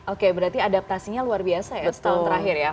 oke berarti adaptasinya luar biasa ya setahun terakhir ya